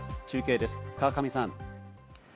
中継です、川上さん。